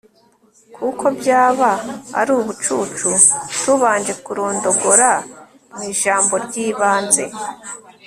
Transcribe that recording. kuko byaba ari ubucucu tubanje kurondogora mu ijambo ry'ibanze